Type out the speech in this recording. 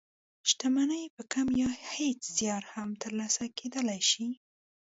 شتمني په کم يا هېڅ زيار هم تر لاسه کېدلای شي.